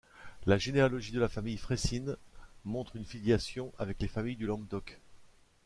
La généalogie de la famille Frayssines montre une filiation avec les familles du Languedoc.